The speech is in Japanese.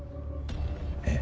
えっ？